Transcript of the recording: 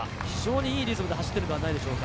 いいリズムで走っているのではないでしょうか。